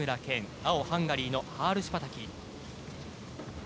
青、ハンガリーのハールシュパタキ。